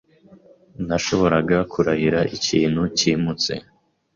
Nashoboraga kurahira ikintu cyimutse.